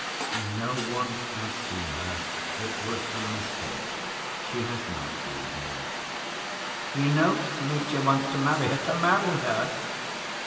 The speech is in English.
"No one has seen her. It was a mistake. She has not been here." "You know Mitya wants to marry her, to marry her."